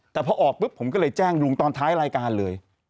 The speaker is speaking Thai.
แต่พอออกปุ๊บผมก็เลยแจ้งลุงตอนท้ายรายการเลย